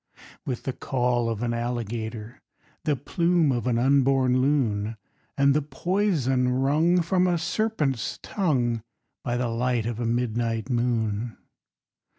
_With the caul of an alligator, The plume of an unborn loon, And the poison wrung From a serpent's tongue By the light of a midnight moon!